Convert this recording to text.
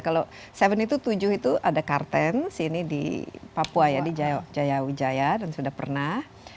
kalau seven itu tujuh itu ada karten di papua ya di jayaujaya dan sudah pernah